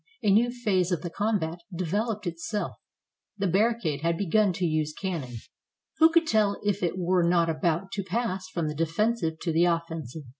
A new phase of the combat developed itself. The barricade had begun to use cannon. Who could tell if it were not about to pass from the defensive to the offensive?